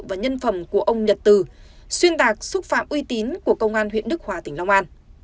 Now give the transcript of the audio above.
và nhân phẩm của ông nhật từ xuyên tạc xúc phạm uy tín của công an huyện đức hòa tỉnh long an